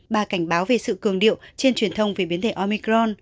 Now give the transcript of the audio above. bà cảnh báo về sự cường điệu trên truyền thông về biến thể omicron